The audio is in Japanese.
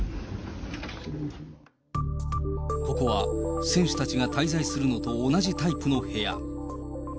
ここは選手たちが滞在するのと同じタイプの部屋。